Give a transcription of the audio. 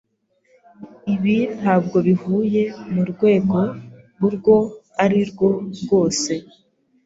Ibi ntabwo bihuye murwego urwo arirwo rwose.